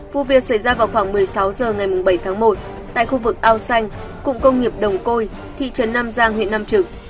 vụ việc xảy ra vào khoảng một mươi sáu h ngày bảy tháng một tại khu vực ao xanh cụng công nghiệp đồng côi thị trấn nam giang huyện nam trực